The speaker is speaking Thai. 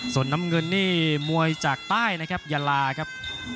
ส่วนน้ำเงินนี่มวยจากใต้นะครับยาลาครับ